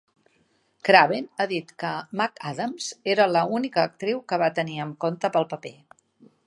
Craven ha dit que McAdams era la única actriu que va tenir en compte per al paper.